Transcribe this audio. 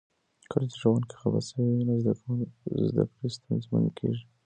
کله چې ښوونکي خفه شوي وي، زده کړې ستونزمنې کیږي.